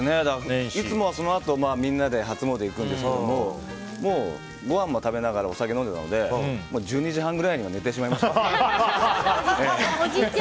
いつもはそのあとみんなで初詣に行くんですけどごはんも食べながらお酒も飲んでいたので１２時半ぐらいには寝てしまいました。